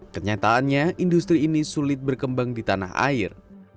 kenyataannya industri ini sulit berkembang di tanah air